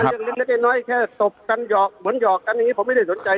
เล็กน้อยแค่ตบกันหอกเหมือนหยอกกันอย่างนี้ผมไม่ได้สนใจ